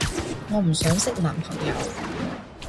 我唔想識男朋友